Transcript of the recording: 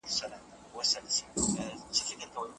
جګړه د ملت جوړونې وسیله بلل کېږي.